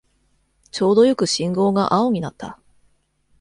ちょうどよく信号が青になった